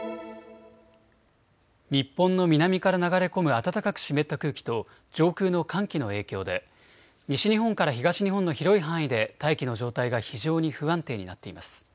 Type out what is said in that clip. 日本の南から流れ込む暖かく湿った空気と上空の寒気の影響で西日本から東日本の広い範囲で大気の状態が非常に不安定になっています。